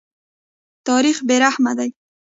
تاریخ بې رحمه دی.